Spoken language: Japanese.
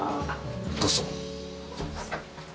どうぞ。